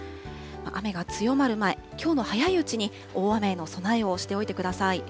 雨が強まる前、きょうの早いうちに大雨への備えをしておいてください。